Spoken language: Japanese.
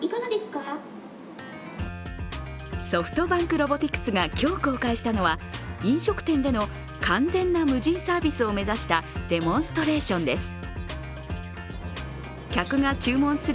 ソフトバンクロボティクスが今日公開したのは飲食店での完全な無人サービスを目指したデモンストレーションです。